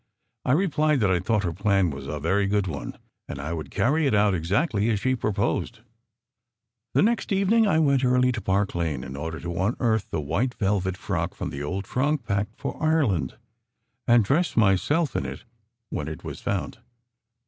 I replied that I thought her plan a very good one, and I would carry it out exactly as she proposed. The next evening I went early to Park Lane, in order to unearth the white velvet frock from the old trunk packed for Ireland, and dress myself in it when it was found.